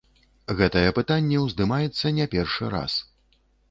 Гэтае пытанне ўздымаецца не першы раз.